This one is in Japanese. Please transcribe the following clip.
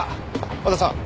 和田さん。